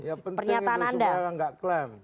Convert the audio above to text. ya penting itu supaya gak klam